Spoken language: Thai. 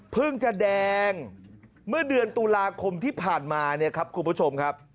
จะแดงเมื่อเดือนตุลาคมที่ผ่านมาเนี่ยครับคุณผู้ชมครับ